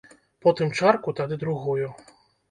Потым чарку, тады другую.